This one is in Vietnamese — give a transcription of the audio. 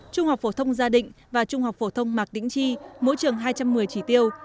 trung học phổ thông gia định và trung học phổ thông mạc đĩnh chi mỗi trường hai trăm một mươi chỉ tiêu